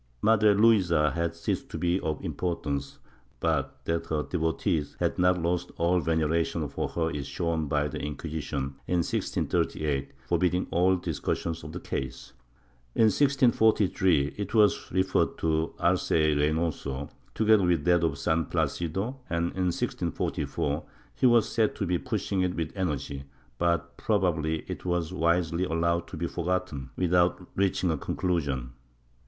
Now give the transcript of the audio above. Madre Luisa had ceased to be of importance, but that her devotees had not lost all veneration for her is shown by the Inqui sition, in 1638, forbidding all discussion of the case. In 1643 it was referred to Arce y Reynoso, together with that of San Placido and, in 1644, he was said to be pushing it with energy, but prob ably it was wisely allowed to be forgotten, without reaching a conclusion.